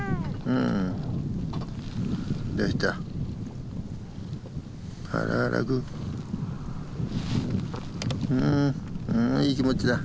うんうんいい気持ちだ。